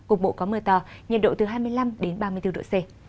cục bộ có mưa to nhiệt độ từ hai mươi năm đến ba mươi bốn độ c